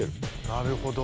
なるほど。